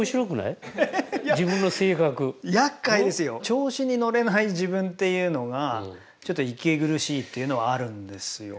調子に乗れない自分っていうのがちょっと息苦しいっていうのはあるんですよ。